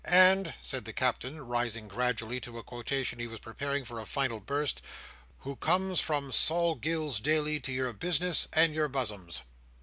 And"—said the Captain, rising gradually to a quotation he was preparing for a final burst, "who—comes from Sol Gills's daily, to your business, and your buzzums."